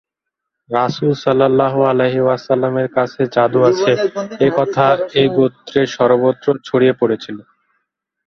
রাসূল সাল্লাল্লাহু আলাইহি ওয়াসাল্লাম-এর কাছে জাদু আছে একথা এই গোত্রের সর্বত্র ছড়িয়ে পড়েছিল।